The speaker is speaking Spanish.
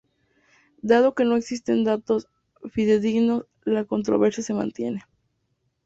Dado que no existe datos fidedignos la controversia se mantiene.